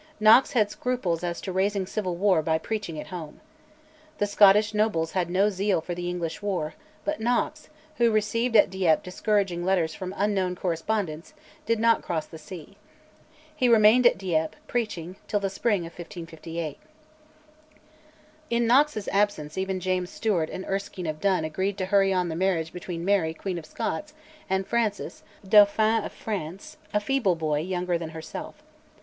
Knox had scruples as to raising civil war by preaching at home. The Scottish nobles had no zeal for the English war; but Knox, who received at Dieppe discouraging letters from unknown correspondents, did not cross the sea. He remained at Dieppe, preaching, till the spring of 1558. In Knox's absence even James Stewart and Erskine of Dun agreed to hurry on the marriage between Mary, Queen of Scots, and Francis, Dauphin of France, a feeble boy, younger than herself.